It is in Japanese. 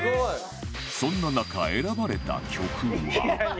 そんな中選ばれた曲は